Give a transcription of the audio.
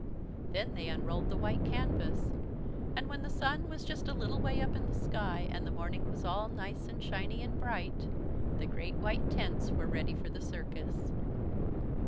Then they unrolled the white canvas and, when the Sun was just a little way up in the sky and the morning was all nice and shiny and bright, the great white tents were ready for the circus.